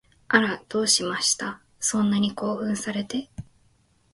あら、どうしました？そんなに興奮されて